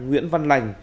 nguyễn văn lành